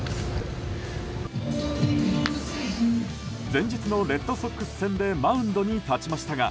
前日のレッドソックス戦でマウンドに立ちましたが